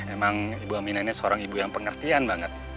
emang ibu aminah ini seorang ibu yang pengertian banget